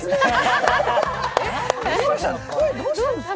藤森さん、声どうしたんですか？